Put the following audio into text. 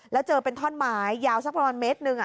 แล้วเจอเป็นท่อนไม้ยาวสักประมาณเมตรหนึ่ง